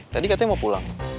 tadi katanya mau pulang